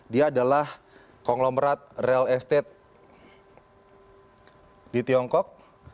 dia adalah konglomerat real estate di tiongkok